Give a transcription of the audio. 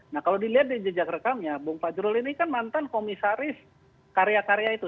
nah kalau dilihat di jejak rekamnya bung fajrul ini kan mantan komisaris karya karya itu